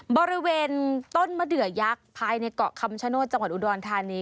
บริเวณต้นมะเดือยักษ์ภายในเกาะคำชโนธจังหวัดอุดรธานี